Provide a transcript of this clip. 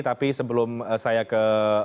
tapi sebelum saya ke